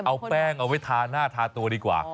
เอาแป้งเอาไว้ทาหน้าทาตัวดีกว่า